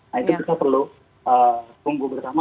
nah itu kita perlu tunggu bersama